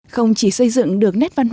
không chỉ xây dựng được nét văn hóa